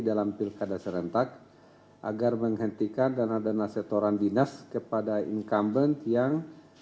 dalam pilkada serentak agar menghentikan dana dana setoran dinas kepada incumbent yang